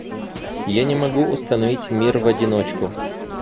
Я не могу установить мир в одиночку.